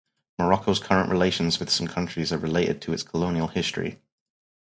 Morocco's current relations with some countries are related to its colonial history.